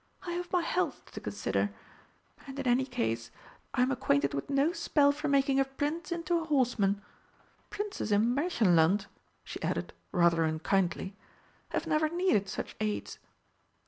I have my health to consider. And, in any case, I am acquainted with no spell for making a Prince into a horseman. Princes in Märchenland," she added, rather unkindly, "have never needed such aids."